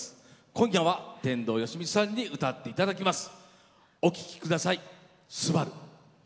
今夜は天童よしみさんに歌っていただきます。